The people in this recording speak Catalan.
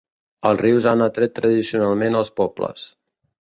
Els rius han atret tradicionalment als pobles.